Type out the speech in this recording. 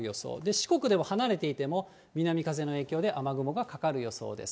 四国でも離れていても、南風の影響で雨雲がかかる予想です。